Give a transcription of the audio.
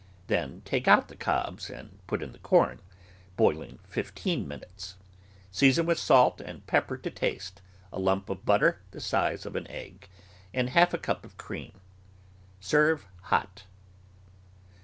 Then take out the cobs and put in the corn, boiling fifteen minutes. Season with salt and pepper to taste, a lump of butter the size of an eggy and half a cup of cream. Serve hot.